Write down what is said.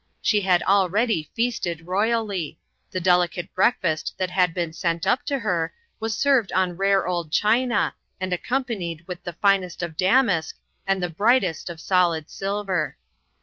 She had al read}' feasted royally; the delicate breakfast that had been sent up to her was served on rare old china, and accompanied with the finest of damask and the brightest of solid silver.